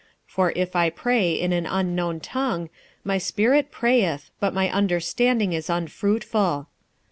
46:014:014 For if I pray in an unknown tongue, my spirit prayeth, but my understanding is unfruitful.